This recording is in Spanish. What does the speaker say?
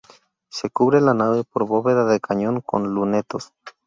Se cubre la nave por bóveda de cañón con lunetos.